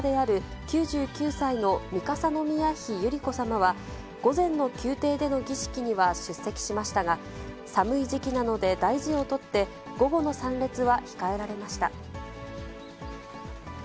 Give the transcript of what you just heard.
高円宮さまの母である９９歳の三笠宮妃百合子さまは、午前の宮廷での儀式には出席しましたが、寒い時期なので大事をとって、午後の参列は控えられました。